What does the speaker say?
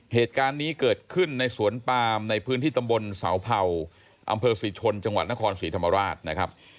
เหตุการณ์นี้เกิดขึ้นในสวนปามในพื้นที่ตำบลเสาเผาอำเภอศรีชนจังหวัดนครศรีธรรมราชนะครับ